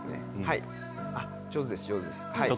上手です、上手です。